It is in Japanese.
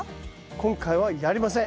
今回はやりません。